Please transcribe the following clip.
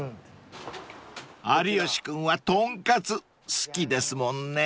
［有吉君はとんかつ好きですもんね］